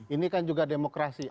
ini kan juga demokrasi